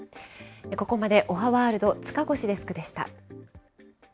ここまでおはワールド、塚越デスクでした。